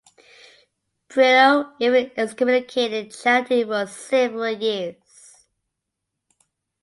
Britto even excommunicated Chandy for several years.